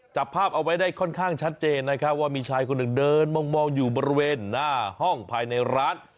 จับภาพเอาไว้ได้ค่อนข้างชัดเจนนะครับว่ามีชายคนหนึ่งเดินมองอยู่บริเวณหน้าห้องภายในร้าน